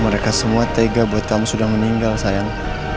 mereka semua tega buat kamu sudah meninggal sayang